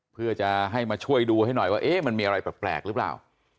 เพื่อจะให้มาช่วยดูให้หน่อยว่ามันมีอะไรแปลกหรือเปล่า